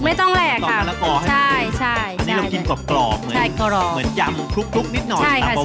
อันนี้เรากินกรอบเหมือนยำคลุกนิดหน่อยตำเบา